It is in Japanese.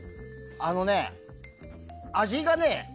あのね、味がね